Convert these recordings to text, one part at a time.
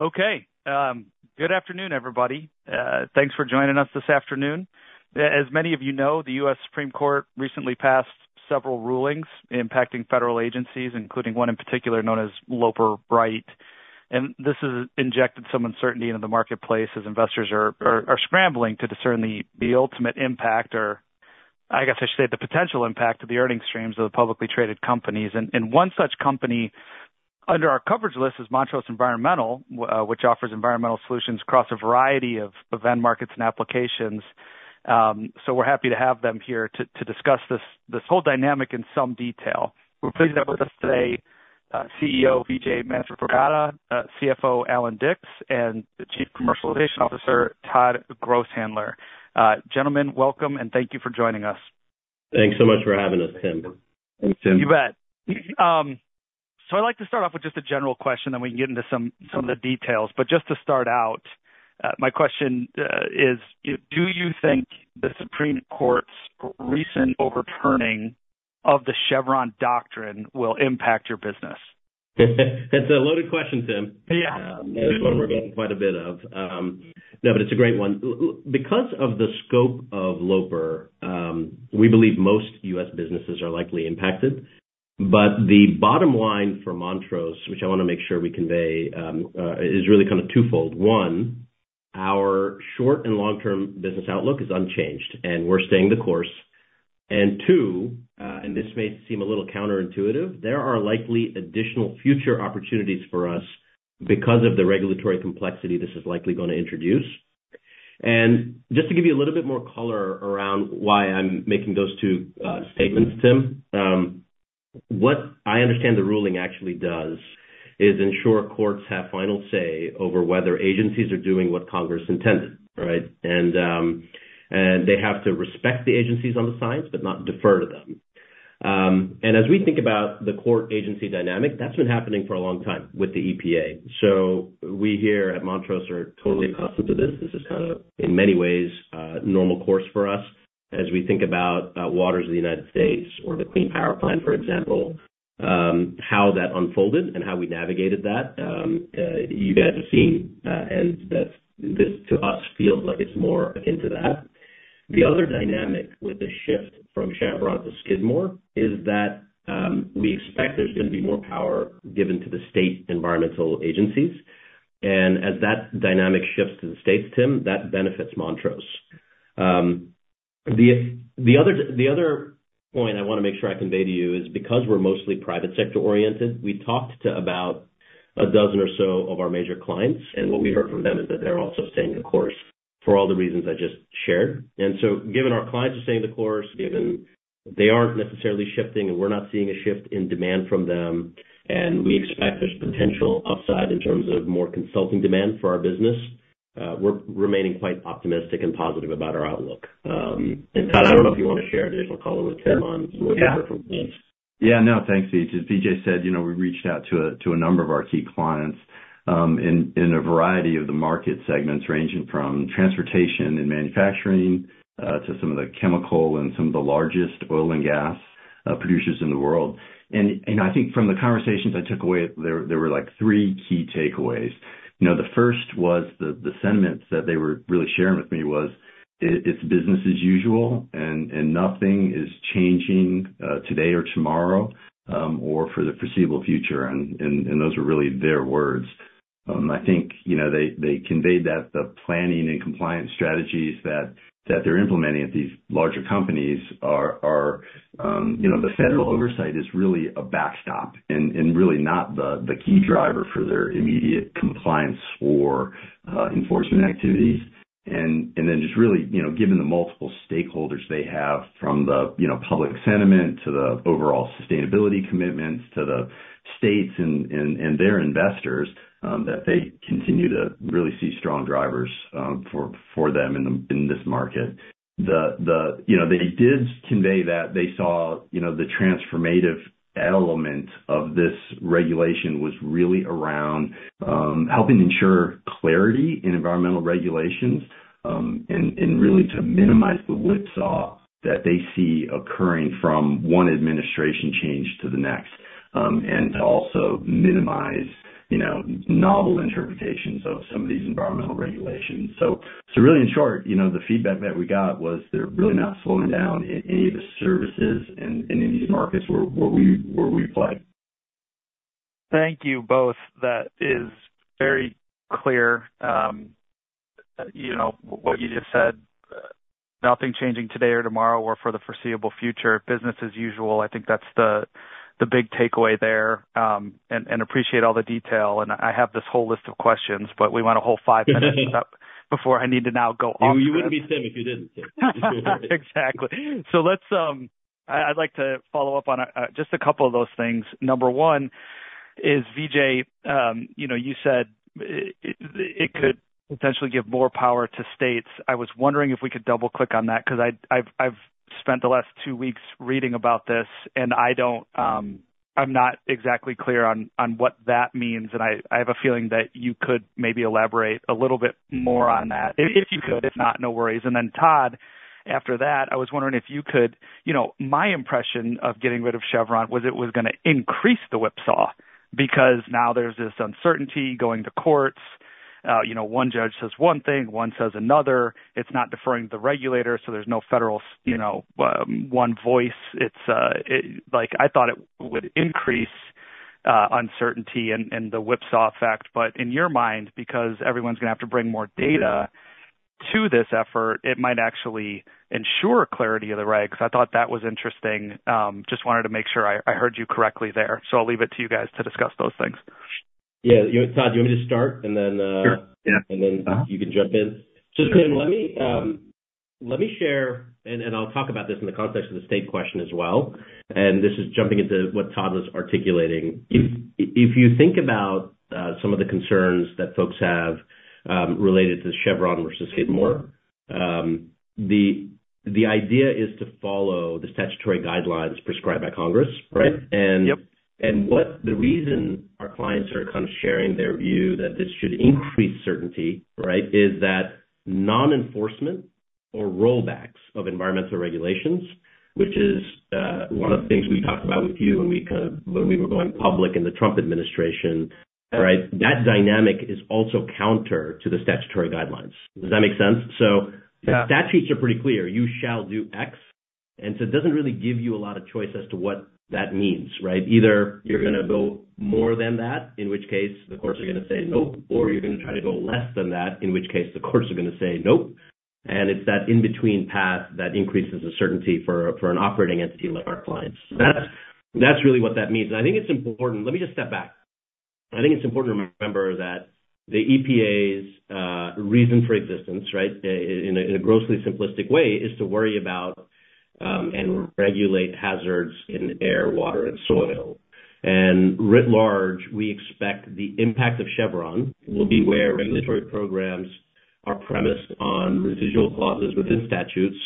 Okay. Good afternoon, everybody. Thanks for joining us this afternoon. As many of you know, the US Supreme Court recently passed several rulings impacting federal agencies, including one in particular known as Loper Bright. And this has injected some uncertainty into the marketplace as investors are scrambling to discern the ultimate impact, or I guess I should say, the potential impact of the earning streams of the publicly traded companies. And one such company under our coverage list is Montrose Environmental, which offers environmental solutions across a variety of end markets and applications. So we're happy to have them here to discuss this whole dynamic in some detail. We're pleased to have with us today, CEO Vijay Manthripragada, CFO Allan Dicks, and the Chief Commercialization Officer, Todd Grosshandler. Gentlemen, welcome, and thank you for joining us. Thanks so much for having us, Tim. And Tim- You bet. So I'd like to start off with just a general question, then we can get into some, some of the details. But just to start out, my question is, do you think the Supreme Court's recent overturning of the Chevron deference will impact your business? That's a loaded question, Tim. Yeah. And one we're getting quite a bit of. No, but it's a great one. Because of the scope of Loper Bright, we believe most US businesses are likely impacted. But the bottom line for Montrose, which I wanna make sure we convey, is really kind of twofold. One, our short and long-term business outlook is unchanged, and we're staying the course. And two, and this may seem a little counterintuitive, there are likely additional future opportunities for us because of the regulatory complexity this is likely gonna introduce. And just to give you a little bit more color around why I'm making those two statements, Tim, what I understand the ruling actually does is ensure courts have final say over whether agencies are doing what Congress intended, right? They have to respect the agencies on the science, but not defer to them. As we think about the court agency dynamic, that's been happening for a long time with the EPA. We here at Montrose are totally accustomed to this. This is kind of, in many ways, a normal course for us as we think about Waters of the United States or the Clean Power Plan, for example, how that unfolded and how we navigated that. You guys have seen, and that's—this, to us, feels like it's more into that. The other dynamic with the shift from Chevron to Skidmore is that we expect there's gonna be more power given to the state environmental agencies, and as that dynamic shifts to the states, Tim, that benefits Montrose. The other point I wanna make sure I convey to you is because we're mostly private sector-oriented, we talked to about a dozen or so of our major clients, and what we heard from them is that they're also staying the course for all the reasons I just shared. And so given our clients are staying the course, given they aren't necessarily shifting and we're not seeing a shift in demand from them, and we expect there's potential upside in terms of more consulting demand for our business, we're remaining quite optimistic and positive about our outlook. And Todd, I don't know if you want to share additional color with Tim on- Yeah. What you heard from clients. Yeah, no, thanks, Vijay. As Vijay said, you know, we reached out to a number of our key clients in a variety of the market segments, ranging from transportation and manufacturing to some of the chemical and some of the largest oil and gas producers in the world. And, you know, I think from the conversations I took away, there were, like, three key takeaways. You know, the first was the sentiments that they were really sharing with me was it's business as usual, and those are really their words. I think, you know, they conveyed that the planning and compliance strategies that they're implementing at these larger companies are, you know, the federal oversight is really a backstop and really not the key driver for their immediate compliance or enforcement activities. And then just really, you know, given the multiple stakeholders they have from the, you know, public sentiment to the overall sustainability commitments to the states and their investors, that they continue to really see strong drivers for them in this market. You know, they did convey that they saw, you know, the transformative element of this regulation was really around helping ensure clarity in environmental regulations, and really to minimize the whipsaw that they see occurring from one administration change to the next, and to also minimize, you know, novel interpretations of some of these environmental regulations. So really, in short, you know, the feedback that we got was they're really not slowing down any of the services in any of these markets where we play. Thank you both. That is very clear. You know, what you just said, nothing changing today or tomorrow or for the foreseeable future. Business as usual, I think that's the big takeaway there. And appreciate all the detail, and I have this whole list of questions, but we want a whole five minutes before I need to now go off. You wouldn't be Tim if you didn't. Exactly. So let's, I'd like to follow up on just a couple of those things. Number one is, Vijay, you know, you said it could potentially give more power to states. I was wondering if we could double-click on that, 'cause I've spent the last two weeks reading about this, and I don't, I'm not exactly clear on what that means, and I have a feeling that you could maybe elaborate a little bit more on that. If you could, if not, no worries. And then, Todd, after that, I was wondering if you could. You know, my impression of getting rid of Chevron was it was gonna increase the whipsaw, because now there's this uncertainty going to courts. You know, one judge says one thing, one says another. It's not deferring to the regulator, so there's no federal, you know, one voice. It's like, I thought it would increase uncertainty and the whipsaw effect. But in your mind, because everyone's gonna have to bring more data to this effort, it might actually ensure clarity of the right, 'cause I thought that was interesting. Just wanted to make sure I heard you correctly there, so I'll leave it to you guys to discuss those things. Yeah. Todd, do you want me to start? And then, Sure. Yeah. Then you can jump in. So Tim, let me share, and I'll talk about this in the context of the state question as well, and this is jumping into what Todd was articulating. If you think about some of the concerns that folks have related to Chevron versus Skidmore, the idea is to follow the statutory guidelines prescribed by Congress, right? Yep. And what the reason our clients are kind of sharing their view that this should increase certainty, right? Is that non-enforcement or rollbacks of environmental regulations, which is one of the things we talked about with you when we kind of when we were going public in the Trump administration, right? That dynamic is also counter to the statutory guidelines. Does that make sense? So- Yeah. The statutes are pretty clear: You shall do X, and so it doesn't really give you a lot of choice as to what that means, right? Either you're gonna go more than that, in which case the courts are gonna say, "Nope," or you're gonna try to go less than that, in which case the courts are gonna say, "Nope." And it's that in-between path that increases the certainty for, for an operating entity like our clients. That's, that's really what that means, and I think it's important... Let me just step back. I think it's important to remember that the EPA's reason for existence, right, in a, in a grossly simplistic way, is to worry about, and regulate hazards in air, water, and soil. Writ large, we expect the impact of Chevron will be where regulatory programs are premised on residual clauses within statutes,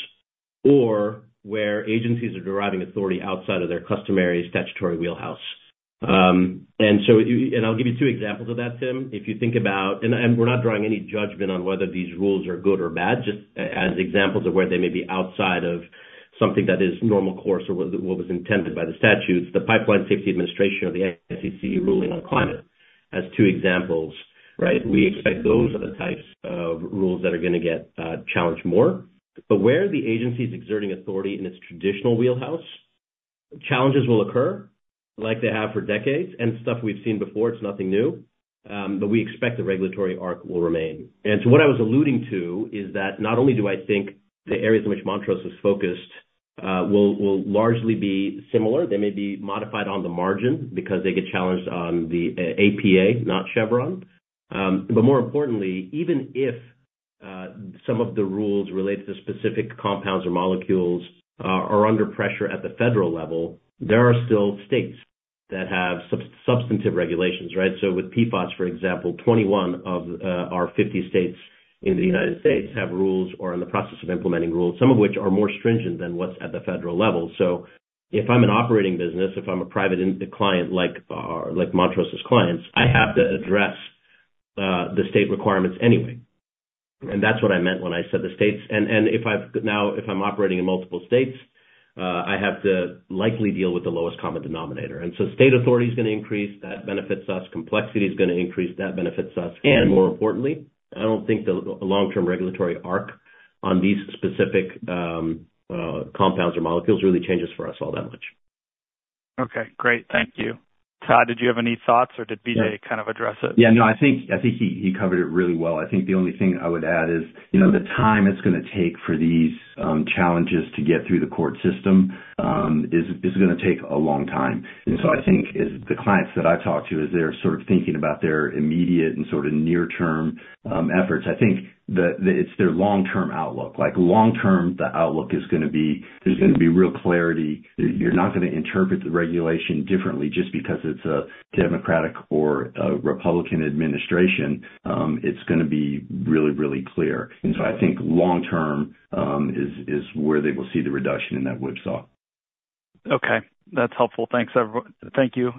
or where agencies are deriving authority outside of their customary statutory wheelhouse. And so you and I'll give you two examples of that, Tim, if you think about. And we're not drawing any judgment on whether these rules are good or bad, just as examples of where they may be outside of something that is normal course or what was intended by the statutes, the Pipeline Safety Administration or the SEC ruling on climate as two examples, right? We expect those are the types of rules that are gonna get challenged more. But where the agency is exerting authority in its traditional wheelhouse, challenges will occur, like they have for decades, and stuff we've seen before, it's nothing new, but we expect the regulatory arc will remain. And so what I was alluding to is that not only do I think the areas in which Montrose is focused, will largely be similar, they may be modified on the margin because they get challenged on the, APA, not Chevron. But more importantly, even if, some of the rules related to specific compounds or molecules, are under pressure at the federal level, there are still states that have sub-substantive regulations, right? So with PFAS, for example, 21 of our 50 states in the United States have rules or are in the process of implementing rules, some of which are more stringent than what's at the federal level. So if I'm an operating business, if I'm a private client like, like Montrose's clients, I have to address the state requirements anyway. And that's what I meant when I said the states. And now, if I'm operating in multiple states, I have to likely deal with the lowest common denominator. And so state authority is gonna increase, that benefits us. Complexity is gonna increase, that benefits us. And more importantly, I don't think the long-term regulatory arc on these specific compounds or molecules really changes for us all that much. Okay, great. Thank you. Todd, did you have any thoughts or did BJ kind of address it? Yeah, no, I think he covered it really well. I think the only thing I would add is, you know, the time it's gonna take for these challenges to get through the court system is gonna take a long time. And so I think as the clients that I talk to, as they're sort of thinking about their immediate and sort of near-term efforts, I think that it's their long-term outlook. Like, long term, the outlook is gonna be—there's gonna be real clarity. You're not gonna interpret the regulation differently just because it's a Democratic or a Republican administration. It's gonna be really, really clear. And so I think long term is where they will see the reduction in that whipsaw. Okay. That's helpful. Thanks, thank you.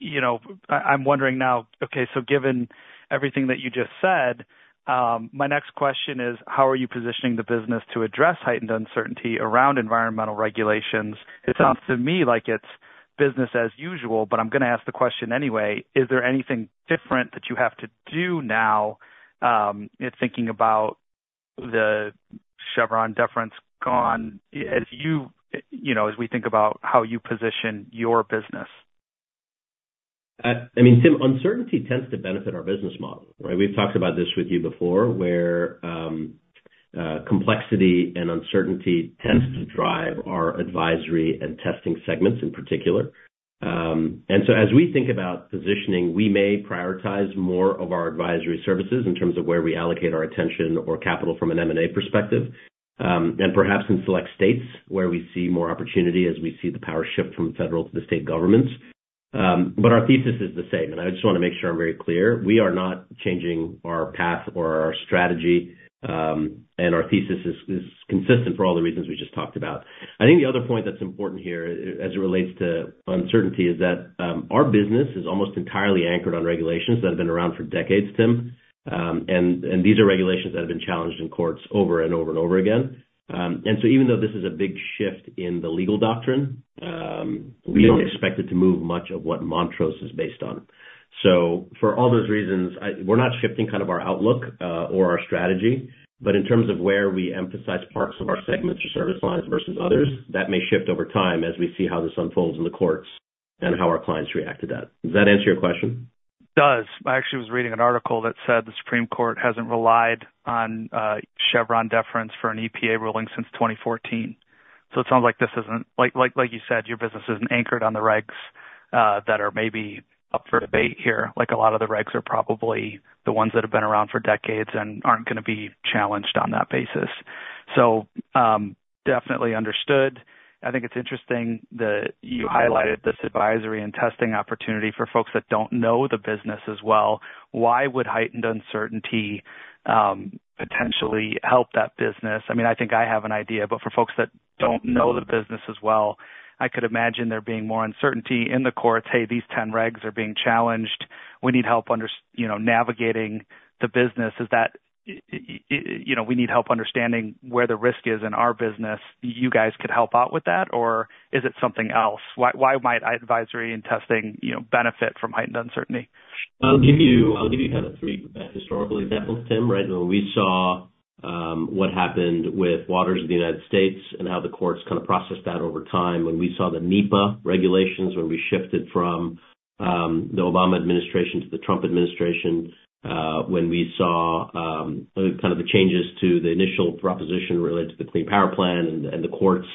You know, I'm wondering now, okay, so given everything that you just said, my next question is: How are you positioning the business to address heightened uncertainty around environmental regulations? It sounds to me like it's business as usual, but I'm gonna ask the question anyway. Is there anything different that you have to do now, in thinking about the Chevron deference gone, as you, you know, as we think about how you position your business? I mean, Tim, uncertainty tends to benefit our business model, right? We've talked about this with you before, where complexity and uncertainty tends to drive our advisory and testing segments in particular. And so as we think about positioning, we may prioritize more of our advisory services in terms of where we allocate our attention or capital from an M&A perspective, and perhaps in select states where we see more opportunity as we see the power shift from the federal to the state governments. But our thesis is the same, and I just wanna make sure I'm very clear. We are not changing our path or our strategy, and our thesis is consistent for all the reasons we just talked about. I think the other point that's important here, as it relates to uncertainty, is that our business is almost entirely anchored on regulations that have been around for decades, Tim. And these are regulations that have been challenged in courts over and over and over again. And so even though this is a big shift in the legal doctrine, we don't expect it to move much of what Montrose is based on. So for all those reasons, we're not shifting kind of our outlook, or our strategy, but in terms of where we emphasize parts of our segments or service lines versus others, that may shift over time as we see how this unfolds in the courts and how our clients react to that. Does that answer your question? ... Does. I actually was reading an article that said the Supreme Court hasn't relied on Chevron deference for an EPA ruling since 2014. So it sounds like this isn't like you said, your business isn't anchored on the regs that are maybe up for debate here. Like, a lot of the regs are probably the ones that have been around for decades and aren't gonna be challenged on that basis. So, definitely understood. I think it's interesting that you highlighted this advisory and testing opportunity for folks that don't know the business as well. Why would heightened uncertainty potentially help that business? I mean, I think I have an idea, but for folks that don't know the business as well, I could imagine there being more uncertainty in the courts. "Hey, these 10 regs are being challenged. We need help, you know, navigating the business." Is that, you know, we need help understanding where the risk is in our business, you guys could help out with that, or is it something else? Why might advisory and testing, you know, benefit from heightened uncertainty? I'll give you, I'll give you kind of three historical examples, Tim, right? When we saw what happened with Waters of the United States and how the courts kind of processed that over time, when we saw the NEPA regulations, when we shifted from the Obama administration to the Trump administration, when we saw kind of the changes to the initial proposition related to the Clean Power Plan and the courts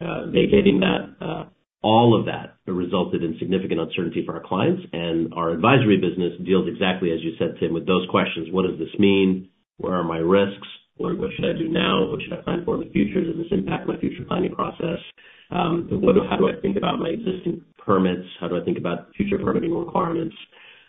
vacating that, all of that resulted in significant uncertainty for our clients. And our advisory business deals, exactly as you said, Tim, with those questions: What does this mean? Where are my risks? What should I do now? What should I plan for in the future? Does this impact my future planning process? What, how do I think about my existing permits? How do I think about future permitting requirements?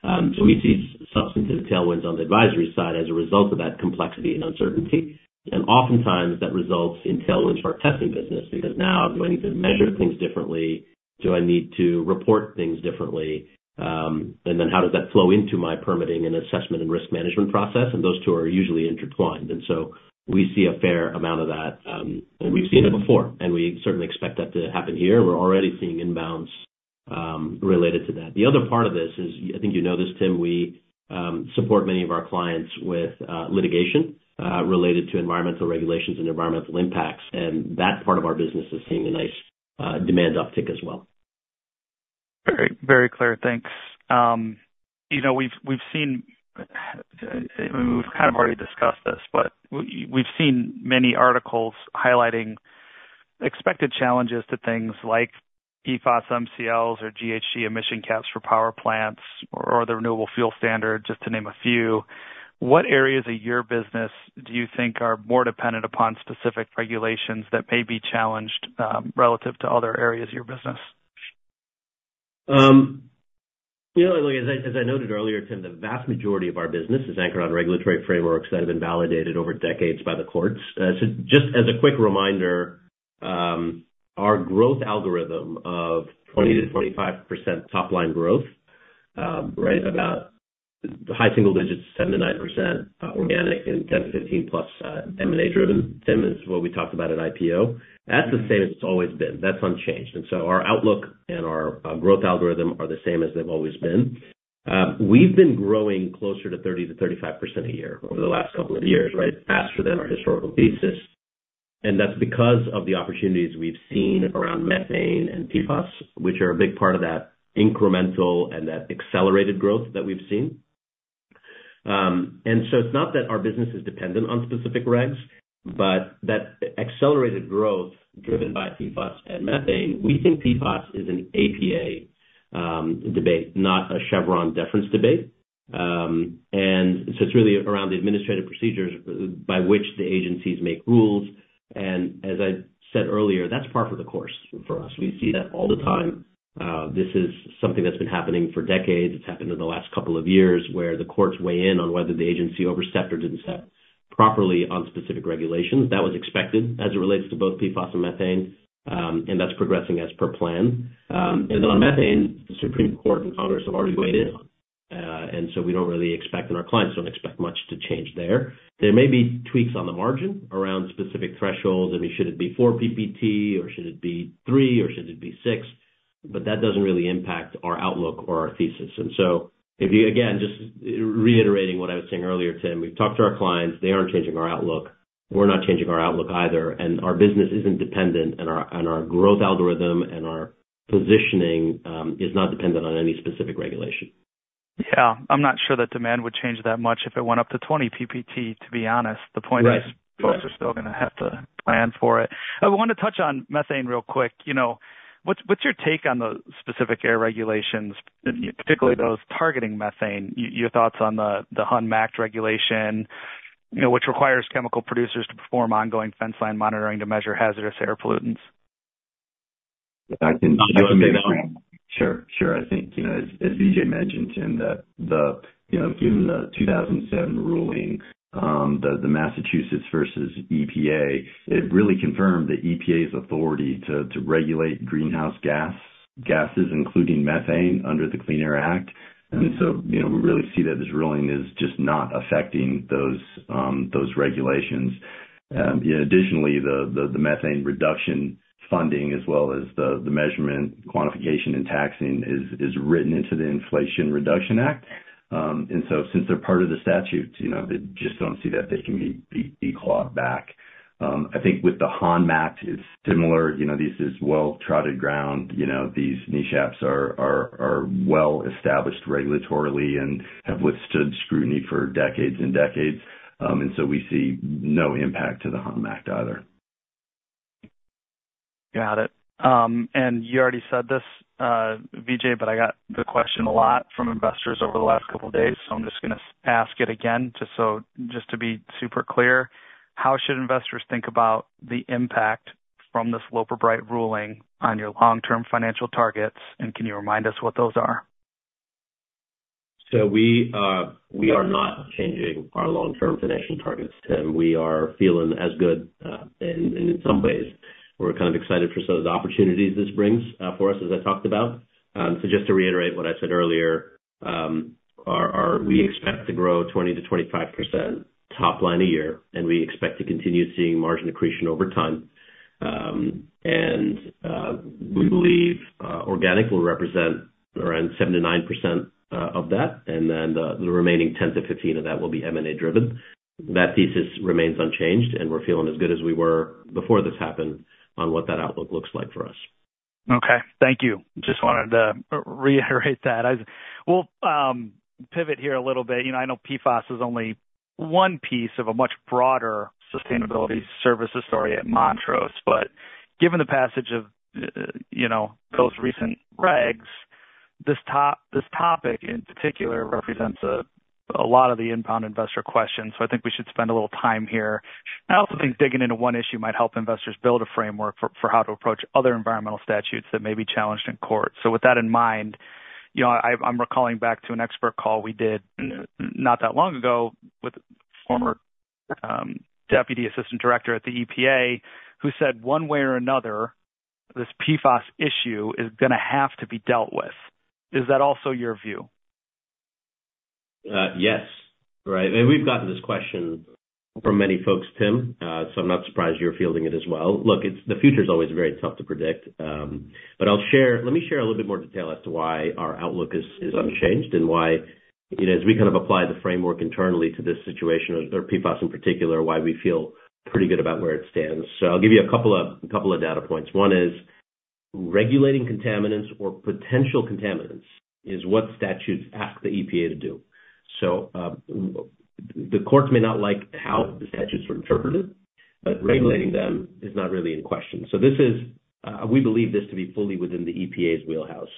So we see substantive tailwinds on the advisory side as a result of that complexity and uncertainty, and oftentimes that results in tailwinds for our testing business, because now do I need to measure things differently? Do I need to report things differently? And then how does that flow into my permitting and assessment and risk management process? And those two are usually intertwined, and so we see a fair amount of that, and we've seen it before, and we certainly expect that to happen here. We're already seeing inbounds related to that. The other part of this is, I think you know this, Tim, we support many of our clients with litigation related to environmental regulations and environmental impacts, and that part of our business is seeing a nice demand uptick as well. Very, very clear. Thanks. You know, we've seen many articles highlighting expected challenges to things like PFOS, MCLs, or GHG emission caps for power plants or the Renewable Fuel Standard, just to name a few. What areas of your business do you think are more dependent upon specific regulations that may be challenged, relative to other areas of your business? You know, look, as I noted earlier, Tim, the vast majority of our business is anchored on regulatory frameworks that have been validated over decades by the courts. So just as a quick reminder, our growth algorithm of 20% to 25% top-line growth, right about high single digits, 7% to 9%, organic and 10 to 15+, M&A driven, Tim, is what we talked about at IPO. That's the same as it's always been. That's unchanged. And so our outlook and our growth algorithm are the same as they've always been. We've been growing closer to 30% to 35% a year over the last couple of years, right? Faster than our historical thesis, and that's because of the opportunities we've seen around methane and PFOS, which are a big part of that incremental and that accelerated growth that we've seen. And so it's not that our business is dependent on specific regs, but that accelerated growth driven by PFOS and methane. We think PFOS is an APA debate, not a Chevron deference debate. And so it's really around the administrative procedures by which the agencies make rules, and as I said earlier, that's par for the course for us. We see that all the time. This is something that's been happening for decades. It's happened in the last couple of years, where the courts weigh in on whether the agency overstepped or didn't step properly on specific regulations. That was expected as it relates to both PFOS and methane, and that's progressing as per plan. And then on methane, the Supreme Court and Congress have already weighed in, and so we don't really expect, and our clients don't expect much to change there. There may be tweaks on the margin around specific thresholds. I mean, should it be 4 PPT or should it be 3 or should it be 6? But that doesn't really impact our outlook or our thesis. And so if you, again, just reiterating what I was saying earlier, Tim, we've talked to our clients, they aren't changing our outlook. We're not changing our outlook either, and our business isn't dependent, and our, and our growth algorithm and our positioning, is not dependent on any specific regulation. Yeah. I'm not sure the demand would change that much if it went up to 20 PPT, to be honest. Right. The point is, folks are still gonna have to plan for it. I want to touch on methane real quick. You know, what's your take on the specific air regulations, particularly those targeting methane? Your thoughts on the HON Rule, you know, which requires chemical producers to perform ongoing fence line monitoring to measure hazardous air pollutants? I can jump in. Sure, sure. I think, you know, as Vijay mentioned in the, you know, given the 2007 ruling, the Massachusetts v. EPA, it really confirmed the EPA's authority to regulate greenhouse gases, including methane, under the Clean Air Act. And so, you know, we really see that this ruling is just not affecting those regulations. Additionally, the methane reduction funding as well as the measurement, quantification and taxing is written into the Inflation Reduction Act.... And so since they're part of the statutes, you know, they just don't see that they can be declawed back. I think with the HON Rule, it's similar. You know, this is well-trotted ground. You know, these NESHAPs are well established regulatorily and have withstood scrutiny for decades and decades. And so we see no impact to the HON Rule either. Got it. And you already said this, Vijay, but I got the question a lot from investors over the last couple of days, so I'm just gonna ask it again, just to be super clear. How should investors think about the impact from this Loper Bright ruling on your long-term financial targets, and can you remind us what those are? So we are not changing our long-term financial targets, Tim. We are feeling as good and in some ways, we're kind of excited for some of the opportunities this brings for us, as I talked about. So just to reiterate what I said earlier, we expect to grow 20% to 25% top line a year, and we expect to continue seeing margin accretion over time. We believe organic will represent around 7% to 9% of that, and then the remaining 10% to 15% of that will be M&A driven. That thesis remains unchanged, and we're feeling as good as we were before this happened on what that outlook looks like for us. Okay. Thank you. Just wanted to reiterate that. We'll pivot here a little bit. You know, I know PFAS is only one piece of a much broader sustainability services story at Montrose, but given the passage of, you know, those recent regs, this topic in particular represents a lot of the inbound investor questions, so I think we should spend a little time here. I also think digging into one issue might help investors build a framework for how to approach other environmental statutes that may be challenged in court. So with that in mind, you know, I'm recalling back to an expert call we did not that long ago, with former deputy assistant director at the EPA, who said, "One way or another, this PFAS issue is gonna have to be dealt with." Is that also your view? Yes. Right, and we've gotten this question from many folks, Tim, so I'm not surprised you're fielding it as well. Look, it's the future is always very tough to predict, but I'll share. Let me share a little bit more detail as to why our outlook is, is unchanged and why, you know, as we kind of apply the framework internally to this situation or, or PFAS in particular, why we feel pretty good about where it stands. So I'll give you a couple of, couple of data points. One is, regulating contaminants or potential contaminants is what statutes ask the EPA to do. So, the courts may not like how the statutes were interpreted, but regulating them is not really in question. So this is, we believe this to be fully within the EPA's wheelhouse.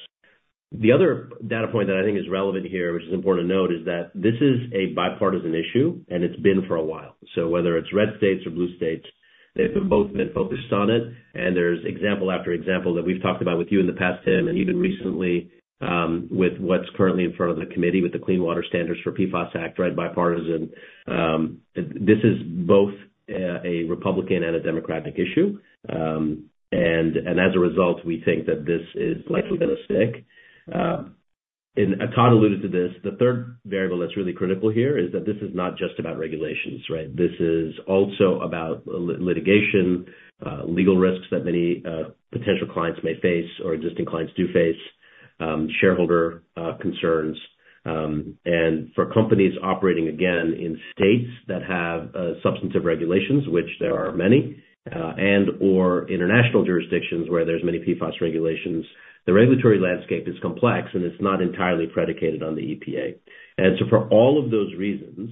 The other data point that I think is relevant here, which is important to note, is that this is a bipartisan issue, and it's been for a while. So whether it's red states or blue states, they've both been focused on it, and there's example after example that we've talked about with you in the past, Tim, and even recently, with what's currently in front of the committee, with the Clean Water Standards for PFAS Act, right, bipartisan. This is both a Republican and a Democratic issue, and as a result, we think that this is likely going to stick. And Todd alluded to this, the third variable that's really critical here is that this is not just about regulations, right? This is also about litigation, legal risks that many potential clients may face or existing clients do face, shareholder concerns. And for companies operating again in states that have substantive regulations, which there are many, and/or international jurisdictions where there's many PFAS regulations, the regulatory landscape is complex, and it's not entirely predicated on the EPA. And so for all of those reasons,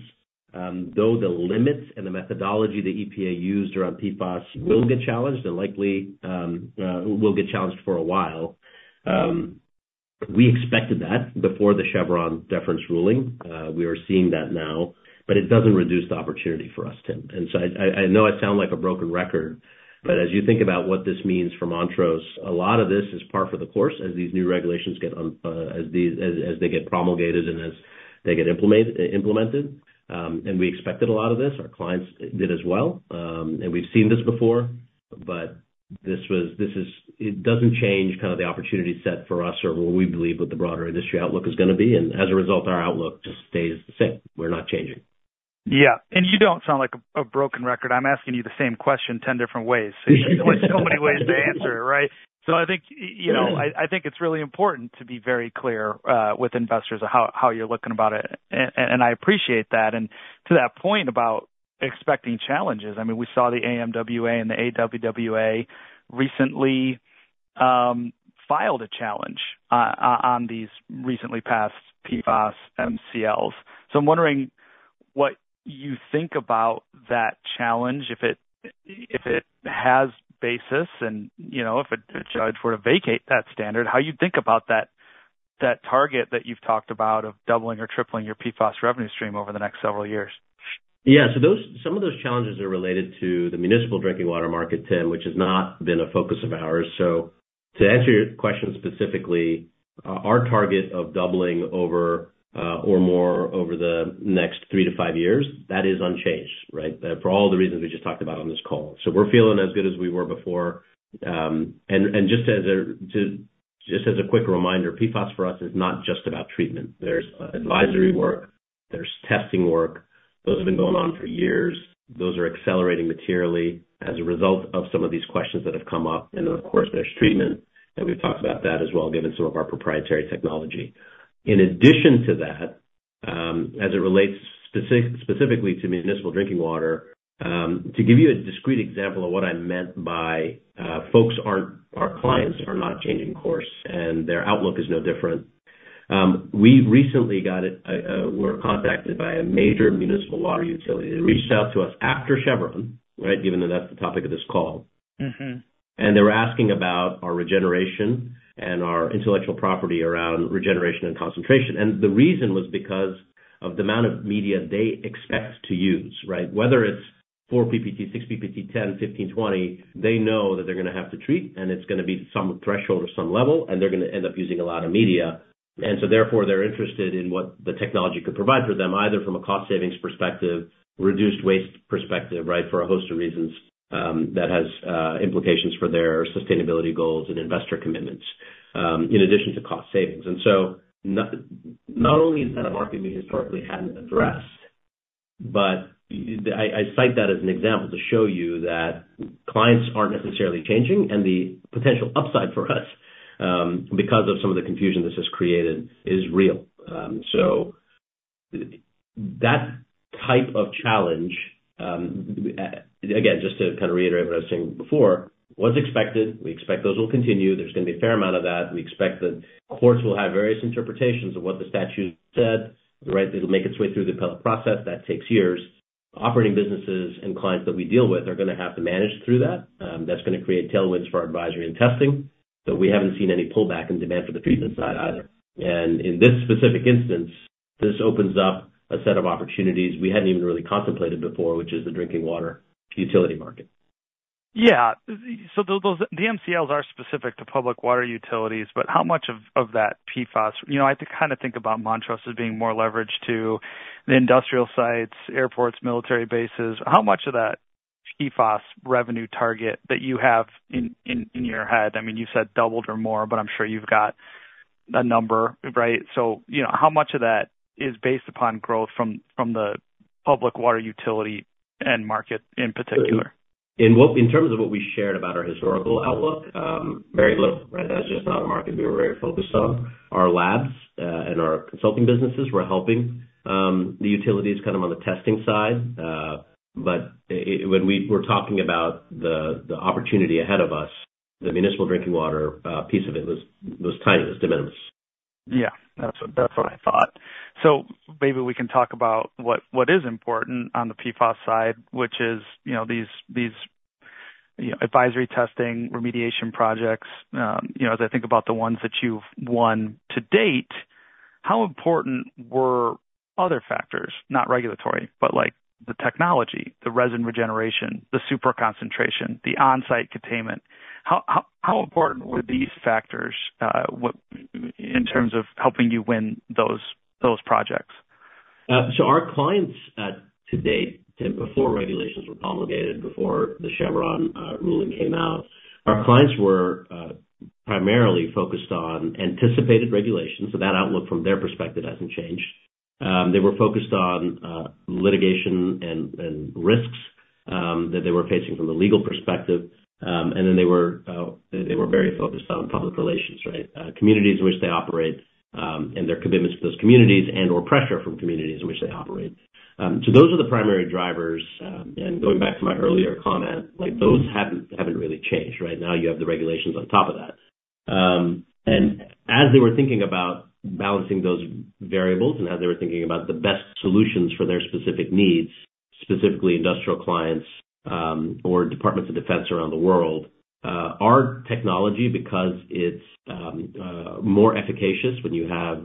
though the limits and the methodology the EPA used around PFAS will get challenged and likely will get challenged for a while, we expected that before the Chevron deference ruling. We are seeing that now, but it doesn't reduce the opportunity for us, Tim. And so I know I sound like a broken record, but as you think about what this means for Montrose, a lot of this is par for the course as these new regulations get promulgated and as they get implemented, and we expected a lot of this, our clients did as well, and we've seen this before, but this was, this is. It doesn't change kind of the opportunity set for us or what we believe the broader industry outlook is gonna be, and as a result, our outlook just stays the same. We're not changing. Yeah, and you don't sound like a broken record. I'm asking you the same question 10 different ways. There's so many ways to answer it, right? So I think, you know, I think it's really important to be very clear with investors of how, how you're looking about it, and I appreciate that. And to that point about expecting challenges, I mean, we saw the AMWA and the AWWA recently filed a challenge on these recently passed PFAS MCLs. So I'm wondering what you think about that challenge, if it has basis and, you know, if a judge were to vacate that standard, how you think about that, that target that you've talked about of doubling or tripling your PFAS revenue stream over the next several years? Yeah, so those, some of those challenges are related to the municipal drinking water market, Tim, which has not been a focus of ours. So to answer your question specifically, our target of doubling over or more over the next three to five years, that is unchanged, right? For all the reasons we just talked about on this call. So we're feeling as good as we were before. And just as a quick reminder, PFAS for us is not just about treatment. There's advisory work, there's testing work... Those have been going on for years. Those are accelerating materially as a result of some of these questions that have come up. And then, of course, there's treatment, and we've talked about that as well, given some of our proprietary technology. In addition to that, as it relates specifically to municipal drinking water, to give you a discrete example of what I meant by, our clients are not changing course, and their outlook is no different. We recently were contacted by a major municipal water utility. They reached out to us after Chevron, right? Given that that's the topic of this call. Mm-hmm. They were asking about our regeneration and our intellectual property around regeneration and concentration. The reason was because of the amount of media they expect to use, right? Whether it's 4 PPT, 6 PPT, 10, 15, 20, they know that they're gonna have to treat, and it's gonna be some threshold or some level, and they're gonna end up using a lot of media. So therefore, they're interested in what the technology could provide for them, either from a cost savings perspective, reduced waste perspective, right? For a host of reasons, that has implications for their sustainability goals and investor commitments, in addition to cost savings. And so not only is that a market we historically hadn't addressed, but I cite that as an example to show you that clients aren't necessarily changing, and the potential upside for us, because of some of the confusion this has created, is real. So that type of challenge, again, just to kind of reiterate what I was saying before, was expected. We expect those will continue. There's gonna be a fair amount of that. We expect that courts will have various interpretations of what the statute said, right? It'll make its way through the appellate process. That takes years. Operating businesses and clients that we deal with are gonna have to manage through that. That's gonna create tailwinds for our advisory and testing, but we haven't seen any pullback in demand for the treatment side either. In this specific instance, this opens up a set of opportunities we hadn't even really contemplated before, which is the drinking water utility market. Yeah. So those MCLs are specific to public water utilities, but how much of that PFAS, you know, I have to kind of think about Montrose as being more leveraged to the industrial sites, airports, military bases. How much of that PFAS revenue target that you have in your head, I mean, you said doubled or more, but I'm sure you've got a number, right? So, you know, how much of that is based upon growth from the public water utility end market in particular? In terms of what we shared about our historical outlook? Very little, right? That's just not a market we were very focused on. Our labs and our consulting businesses were helping the utilities kind of on the testing side, but it when we were talking about the opportunity ahead of us, the municipal drinking water piece of it was tiny, was de minimis. Yeah, that's what I thought. So maybe we can talk about what is important on the PFAS side, which is, you know, these advisory testing, remediation projects. You know, as I think about the ones that you've won to date, how important were other factors, not regulatory, but like the technology, the resin regeneration, the super concentration, the on-site containment? How important were these factors in terms of helping you win those projects? So our clients, to date, and before regulations were promulgated, before the Chevron ruling came out, our clients were primarily focused on anticipated regulations, so that outlook from their perspective hasn't changed. They were focused on litigation and risks that they were facing from a legal perspective. And then they were very focused on public relations, right? Communities in which they operate, and their commitments to those communities and/or pressure from communities in which they operate. So those are the primary drivers, and going back to my earlier comment, like, those haven't really changed. Right now, you have the regulations on top of that. As they were thinking about balancing those variables and as they were thinking about the best solutions for their specific needs, specifically industrial clients, or departments of defense around the world, our technology, because it's more efficacious when you have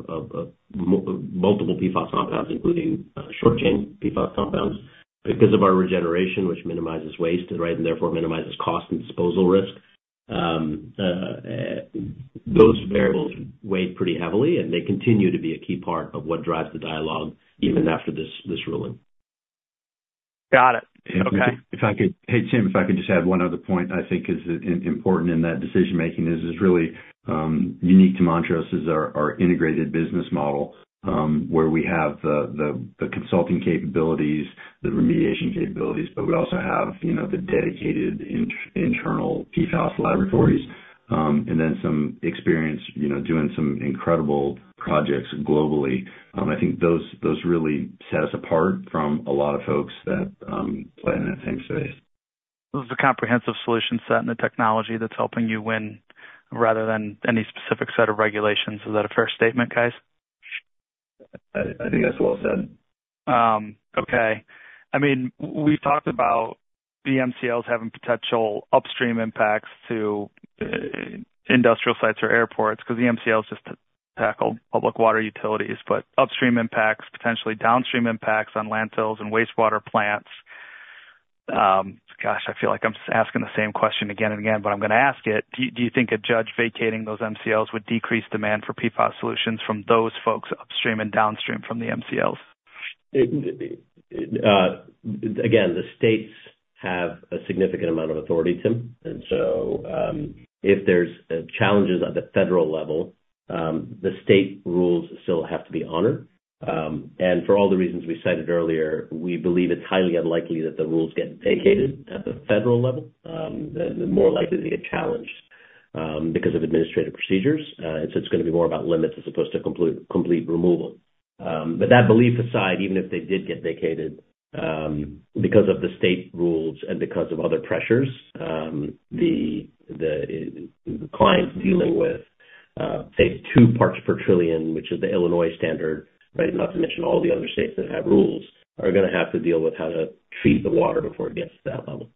multiple PFAS compounds, including short-chain PFAS compounds, because of our regeneration, which minimizes waste, and therefore minimizes cost and disposal risk. Those variables weigh pretty heavily, and they continue to be a key part of what drives the dialogue even after this ruling. Got it. Okay. If I could, hey, Tim, if I could just add one other point I think is important in that decision-making is really unique to Montrose, our integrated business model, where we have the consulting capabilities, the remediation capabilities, but we also have, you know, the dedicated internal PFAS laboratories, and then some experience, you know, doing some incredible projects globally. I think those really set us apart from a lot of folks that play in that space. This is a comprehensive solution set and the technology that's helping you win rather than any specific set of regulations. Is that a fair statement, guys? I think that's well said. Okay. I mean, we've talked about the MCLs having potential upstream impacts to industrial sites or airports, because the MCLs just tackle public water utilities, but upstream impacts, potentially downstream impacts on landfills and wastewater plants. Gosh, I feel like I'm asking the same question again and again, but I'm gonna ask it: Do you think a judge vacating those MCLs would decrease demand for PFAS solutions from those folks upstream and downstream from the MCLs? It again, the states have a significant amount of authority, Tim. And so, if there's challenges at the federal level, the state rules still have to be honored. And for all the reasons we cited earlier, we believe it's highly unlikely that the rules get vacated at the federal level. They're more likely to get challenged because of administrative procedures. And so it's gonna be more about limits as opposed to complete removal. But that belief aside, even if they did get vacated, because of the state rules and because of other pressures, the clients dealing with, say, 2 parts per trillion, which is the Illinois standard, right, not to mention all the other states that have rules, are gonna have to deal with how to treat the water before it gets to that level.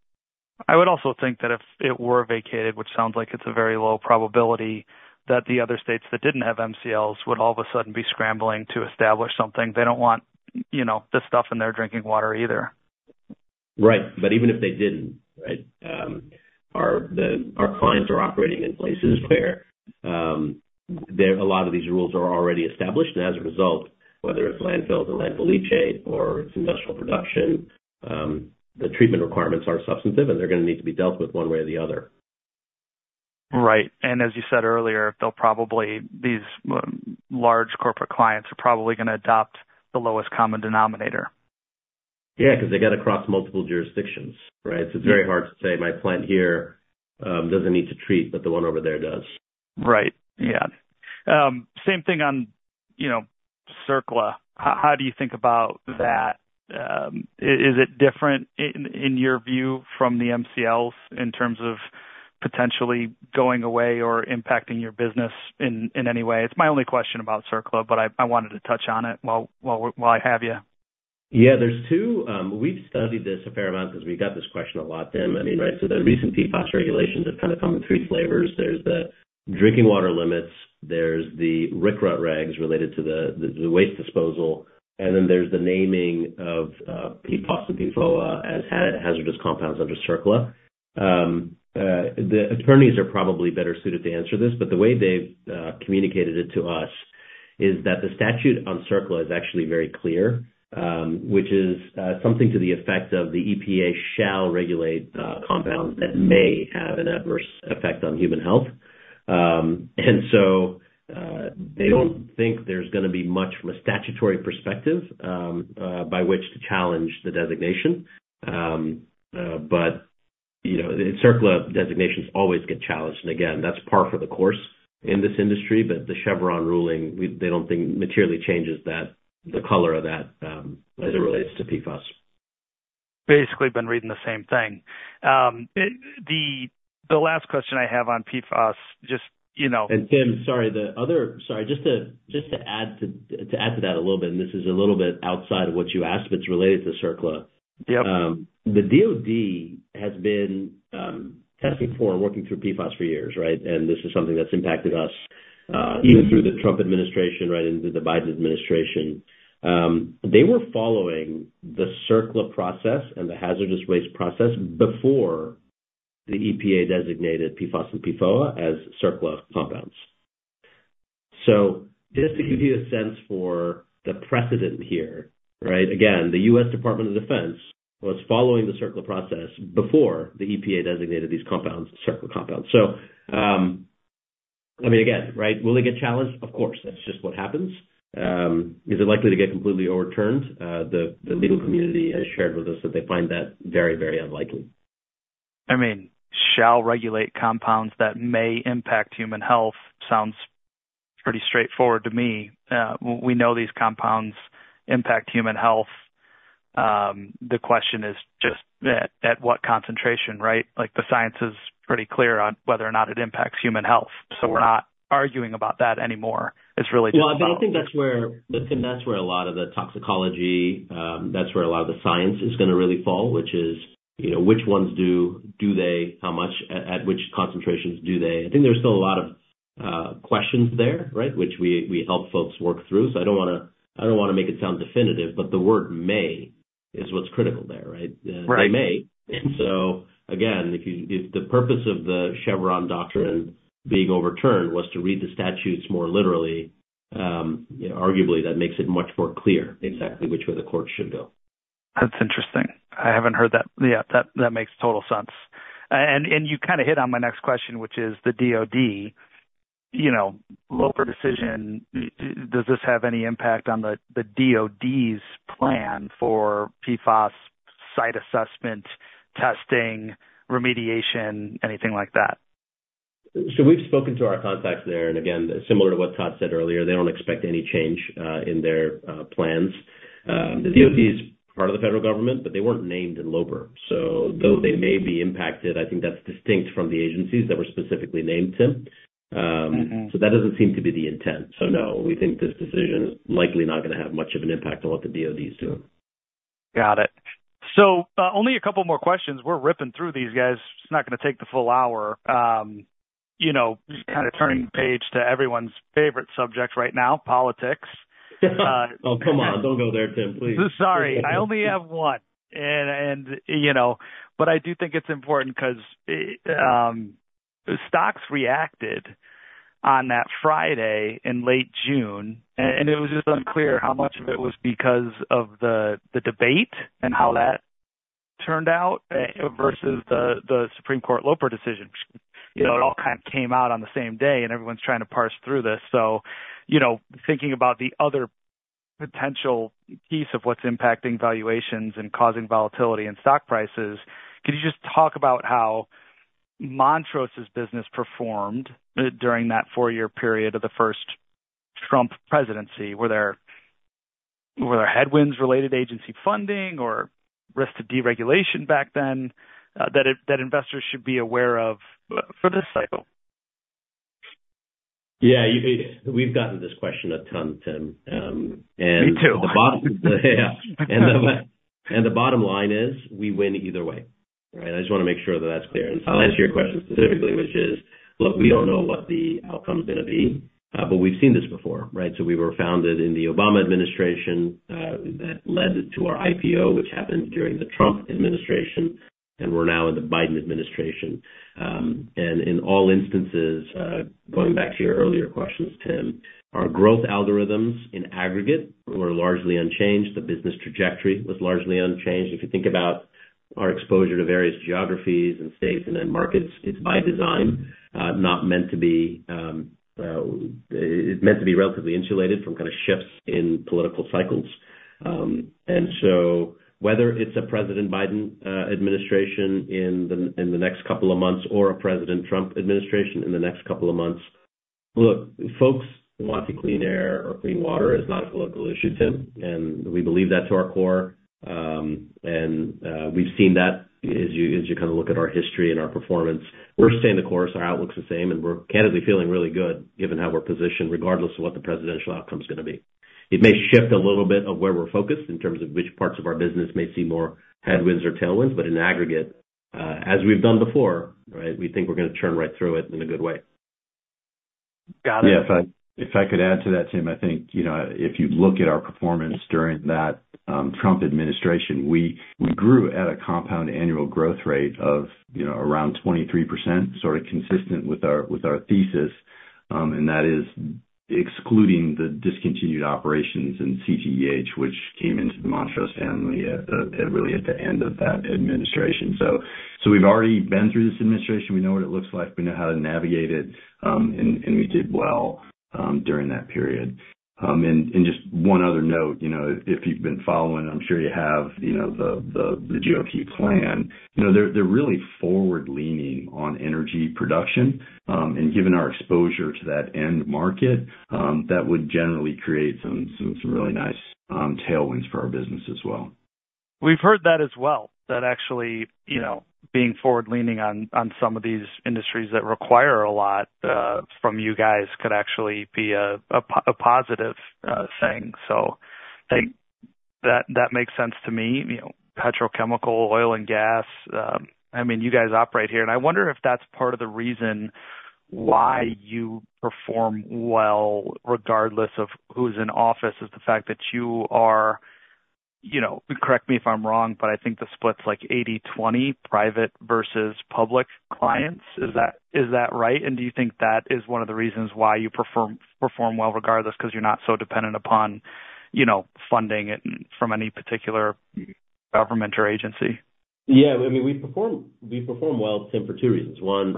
I would also think that if it were vacated, which sounds like it's a very low probability, that the other states that didn't have MCLs would all of a sudden be scrambling to establish something. They don't want, you know, this stuff in their drinking water either. Right. But even if they didn't, right, our clients are operating in places where there are a lot of these rules already established, and as a result, whether it's landfills and landfill leachate or it's industrial production, the treatment requirements are substantive, and they're gonna need to be dealt with one way or the other. Right. And as you said earlier, they'll probably... These large corporate clients are probably gonna adopt the lowest common denominator. Yeah, 'cause they gotta cross multiple jurisdictions, right? So it's very hard to say, "My plant here, doesn't need to treat, but the one over there does. Right. Yeah. Same thing on, you know, CERCLA. How do you think about that? Is it different in your view from the MCLs in terms of potentially going away or impacting your business in any way? It's my only question about CERCLA, but I wanted to touch on it while I have you. Yeah, there's two. We've studied this a fair amount because we got this question a lot, Tim. I mean, right, so the recent PFAS regulations have kind of come in three flavors. There's the drinking water limits, there's the RCRA regs related to the waste disposal, and then there's the naming of PFAS and PFOA as hazardous compounds under CERCLA. The attorneys are probably better suited to answer this, but the way they've communicated it to us is that the statute on CERCLA is actually very clear, which is something to the effect of the EPA shall regulate compounds that may have an adverse effect on human health. And so, they don't think there's gonna be much from a statutory perspective by which to challenge the designation. But, you know, the CERCLA designations always get challenged, and again, that's par for the course in this industry. But the Chevron ruling, they don't think materially changes that, the color of that, as it relates to PFAS. Basically, been reading the same thing. The last question I have on PFAS, just, you know- Tim, sorry. Sorry, just to add to that a little bit, and this is a little bit outside of what you asked, but it's related to CERCLA. Yep. The DoD has been testing for and working through PFAS for years, right? And this is something that's impacted us even through the Trump administration, right, into the Biden administration. They were following the CERCLA process and the hazardous waste process before the EPA designated PFAS and PFOA as CERCLA compounds. So just to give you a sense for the precedent here, right, again, the US Department of Defense was following the CERCLA process before the EPA designated these compounds CERCLA compounds. So, I mean, again, right, will they get challenged? Of course, that's just what happens. Is it likely to get completely overturned? The legal community has shared with us that they find that very, very unlikely. I mean, shall regulate compounds that may impact human health sounds pretty straightforward to me. We know these compounds impact human health. The question is just at, at what concentration, right? Like, the science is pretty clear on whether or not it impacts human health. Right. We're not arguing about that anymore. It's really just about- Well, I think that's where, Tim, that's where a lot of the toxicology, that's where a lot of the science is gonna really fall, which is, you know, which ones do, do they? How much, at, at which concentrations do they? I think there's still a lot of questions there, right, which we, we help folks work through. So I don't wanna, I don't wanna make it sound definitive, but the word may is what's critical there, right? Right. They may. And so again, if you, if the purpose of the Chevron deference being overturned was to read the statutes more literally, you know, arguably that makes it much more clear exactly which way the court should go. That's interesting. I haven't heard that. Yeah, that, that makes total sense. And, and you kind of hit on my next question, which is the DoD, you know, Loper Bright decision. Does this have any impact on the, the DoD's plan for PFAS site assessment, testing, remediation, anything like that? So we've spoken to our contacts there, and again, similar to what Todd said earlier, they don't expect any change in their plans. The DoD is part of the federal government, but they weren't named in Loper Bright. So though they may be impacted, I think that's distinct from the agencies that were specifically named, Tim. Mm-hmm. That doesn't seem to be the intent. So no, we think this decision is likely not gonna have much of an impact on what the DoD's doing. Got it. So, only a couple more questions. We're ripping through these guys. It's not gonna take the full hour. You know, just kind of turning the page to everyone's favorite subject right now, politics. Oh, come on, don't go there, Tim, please. Sorry. I only have one. You know, but I do think it's important 'cause stocks reacted on that Friday in late June, and it was just unclear how much of it was because of the debate and how that turned out versus the Supreme Court Loper Bright decision. You know, it all kind of came out on the same day, and everyone's trying to parse through this. So, you know, thinking about the other potential piece of what's impacting valuations and causing volatility in stock prices, could you just talk about how Montrose's business performed during that four-year period of the first Trump presidency? Were there headwinds related to agency funding or risk to deregulation back then that investors should be aware of for this cycle? Yeah, we've gotten this question a ton, Tim, and- Me too. Yeah. And the bottom line is, we win either way. All right? I just wanna make sure that that's clear. And so I'll answer your question specifically, which is, look, we don't know what the outcome's gonna be, but we've seen this before, right? So we were founded in the Obama administration, that led to our IPO, which happened during the Trump administration, and we're now in the Biden administration. And in all instances, going back to your earlier questions, Tim, our growth algorithms in aggregate were largely unchanged. The business trajectory was largely unchanged. If you think about our exposure to various geographies and states and then markets, it's by design, not meant to be, it's meant to be relatively insulated from kind of shifts in political cycles. And so whether it's a President Biden administration in the next couple of months, or a President Trump administration in the next couple of months, look, folks want the clean air or clean water is not a political issue, Tim, and we believe that to our core. And we've seen that as you, as you kind of look at our history and our performance. We're staying the course, our outlook's the same, and we're candidly feeling really good given how we're positioned, regardless of what the presidential outcome is gonna be. It may shift a little bit of where we're focused in terms of which parts of our business may see more headwinds or tailwinds, but in aggregate, as we've done before, right, we think we're gonna churn right through it in a good way. Got it. Yeah, if I, if I could add to that, Tim, I think, you know, if you look at our performance during that Trump administration, we, we grew at a compound annual growth rate of, you know, around 23%, sort of consistent with our, with our thesis, and that is excluding the discontinued operations in CTEH, which came into the Montrose family at really at the end of that administration. So, so we've already been through this administration. We know what it looks like. We know how to navigate it, and, and we did well during that period. Just one other note, you know, if you've been following, I'm sure you have, you know, the GOP plan, you know, they're really forward-leaning on energy production, and given our exposure to that end market, that would generally create some really nice tailwinds for our business as well. We've heard that as well, that actually, you know, being forward-leaning on, on some of these industries that require a lot from you guys could actually be a positive thing. So I think that makes sense to me. You know, petrochemical, oil and gas, I mean, you guys operate here, and I wonder if that's part of the reason why you perform well, regardless of who's in office, is the fact that you are, you know, correct me if I'm wrong, but I think the split's like 80/20 private versus public clients. Is that right? And do you think that is one of the reasons why you perform well, regardless, because you're not so dependent upon, you know, funding it from any particular government or agency? Yeah. I mean, we perform, we perform well, Tim, for two reasons. One,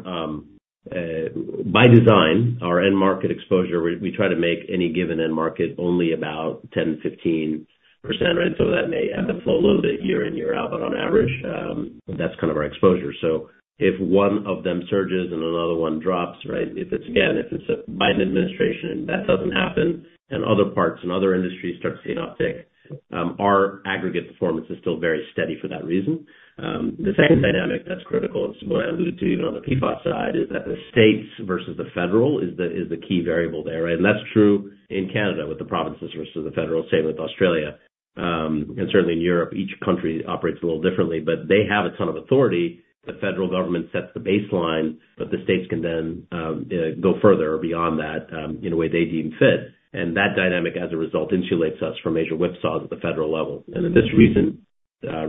by design, our end market exposure, we, we try to make any given end market only about 10, 15%, right? So that may ebb and flow a little bit year in, year out, but on average, that's kind of our exposure. So if one of them surges and another one drops, right? If it's again, if it's a Biden administration, that doesn't happen, and other parts and other industries start seeing uptick, our aggregate performance is still very steady for that reason. The second dynamic that's critical, it's what I alluded to, even on the PFAS side, is that the states versus the federal is the, is the key variable there, right? And that's true in Canada, with the provinces versus the federal, same with Australia, and certainly in Europe, each country operates a little differently, but they have a ton of authority. The federal government sets the baseline, but the states can then go further beyond that, in a way they deem fit. And that dynamic, as a result, insulates us from major whipsaws at the federal level. And then this recent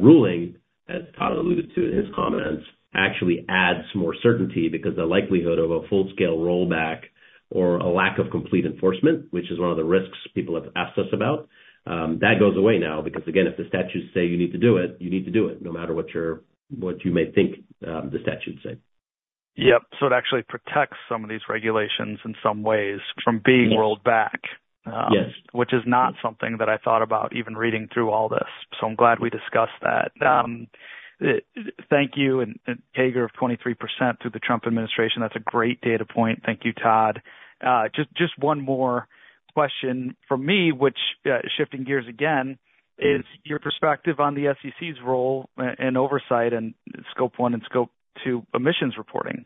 ruling, as Todd alluded to in his comments, actually adds more certainty because the likelihood of a full-scale rollback or a lack of complete enforcement, which is one of the risks people have asked us about, that goes away now. Because, again, if the statutes say you need to do it, you need to do it, no matter what your- what you may think, the statutes say. Yep. So it actually protects some of these regulations in some ways from being- Yes. -rolled back. Yes. Which is not something that I thought about even reading through all this, so I'm glad we discussed that. Thank you, and CAGR of 23% through the Trump administration. That's a great data point. Thank you, Todd. Just one more question from me, which, shifting gears again, is your perspective on the SEC's role in oversight and Scope 1 and Scope 2 emissions reporting?...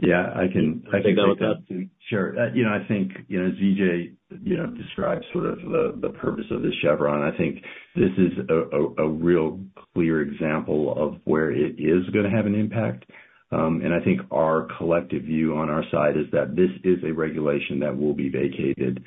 Yeah, I can, I can take that. Sure. You know, I think, you know, VJ, you know, describes sort of the, the purpose of this Chevron. I think this is a, a, a real clear example of where it is gonna have an impact. And I think our collective view on our side is that this is a regulation that will be vacated,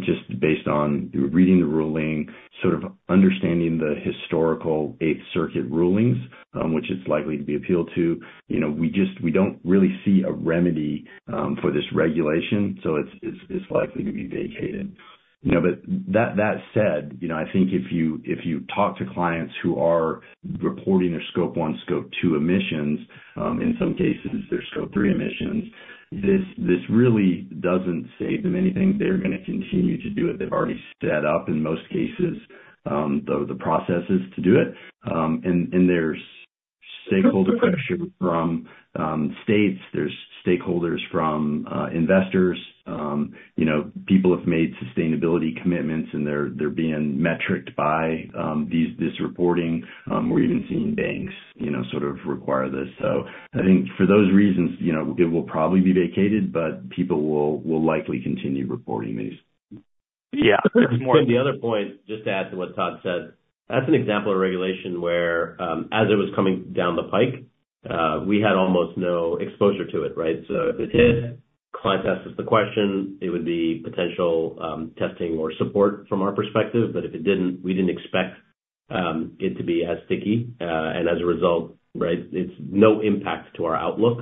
just based on reading the ruling, sort of understanding the historical Eighth Circuit rulings, which it's likely to be appealed to. You know, we just-- we don't really see a remedy, for this regulation, so it's, it's, it's likely to be vacated. You know, but that said, you know, I think if you talk to clients who are reporting their Scope 1, Scope 2 emissions, in some cases, their Scope 3 emissions, this really doesn't save them anything. They're gonna continue to do it. They've already set up, in most cases, the processes to do it. And there's stakeholder pressure from states, there's stakeholders from investors, you know, people have made sustainability commitments, and they're being metriced by this reporting. We're even seeing banks, you know, sort of require this. So I think for those reasons, you know, it will probably be vacated, but people will likely continue reporting these. Yeah. Tim, the other point, just to add to what Todd said, that's an example of regulation where, as it was coming down the pike, we had almost no exposure to it, right? So if it did, client asked us the question, it would be potential, testing or support from our perspective, but if it didn't, we didn't expect, it to be as sticky. And as a result, right, it's no impact to our outlook,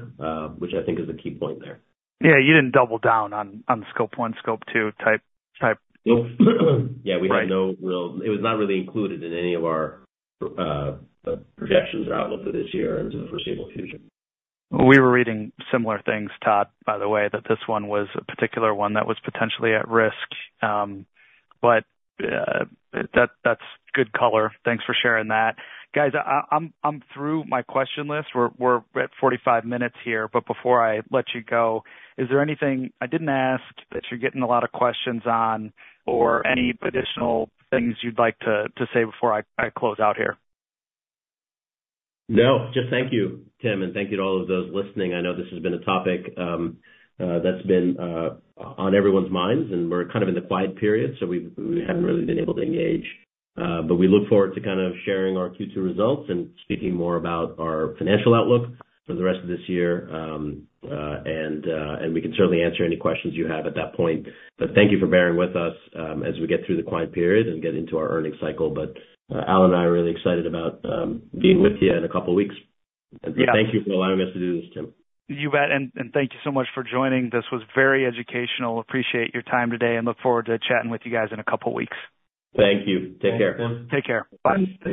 which I think is the key point there. Yeah, you didn't double down on the Scope 1, Scope 2 type? Nope. Yeah, we had no real... It was not really included in any of our projections or outlook for this year and for foreseeable future. We were reading similar things, Todd, by the way, that this one was a particular one that was potentially at risk. But that, that's good color. Thanks for sharing that. Guys, I'm through my question list. We're at 45 minutes here, but before I let you go, is there anything I didn't ask that you're getting a lot of questions on, or any additional things you'd like to say before I close out here? No, just thank you, Tim, and thank you to all of those listening. I know this has been a topic that's been on everyone's minds, and we're kind of in the quiet period, so we haven't really been able to engage. But we look forward to kind of sharing our Q2 results and speaking more about our financial outlook for the rest of this year. And we can certainly answer any questions you have at that point. But thank you for bearing with us as we get through the quiet period and get into our earnings cycle. But, Allan and I are really excited about being with you in a couple weeks. Yeah. Thank you for allowing us to do this, Tim. You bet, and thank you so much for joining. This was very educational. Appreciate your time today, and look forward to chatting with you guys in a couple weeks. Thank you. Take care. Thanks, Tim. Take care. Bye.